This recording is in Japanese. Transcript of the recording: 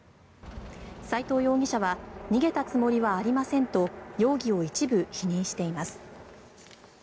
斉藤容疑者は逃げたつもりはありませんと容疑を一部否認しています。